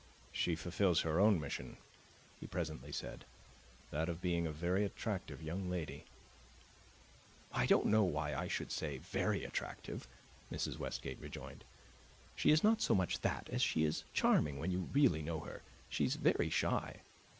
"She fulfills her own mission," he presently said; "that of being a very attractive young lady." "I don't know that I should say very attractive," Mrs. Westgate rejoined. "She is not so much that as she is charming when you really know her. She is very shy."